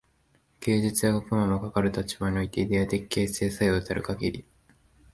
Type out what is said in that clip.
芸術や学問も、かかる立場においてイデヤ的形成作用たるかぎり、